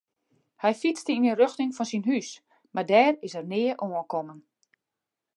Hy fytste yn 'e rjochting fan syn hús mar dêr is er nea oankommen.